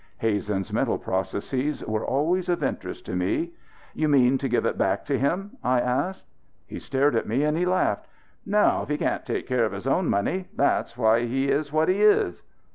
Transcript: Hazen's mental processes were always of interest to me. "You mean to give it back to him?" I asked. He stared at me and he laughed. "No! If he can't take care of his own money that's why he is what he is."